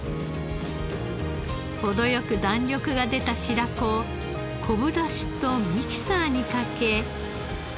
程良く弾力が出た白子を昆布ダシとミキサーにかけ。